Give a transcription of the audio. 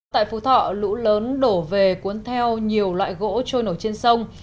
tại phú thọ lũ lớn đổ về cuốn theo nhiều loại gỗ trôi nổi trên sông